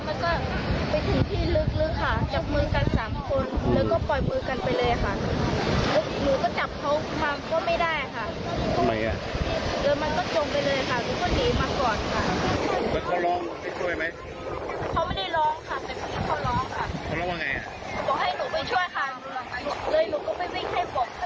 บอกให้หนูไปช่วยค่ะเลยหนูก็ไปวิ่งให้บอกเพื่อนมาช่วยค่ะ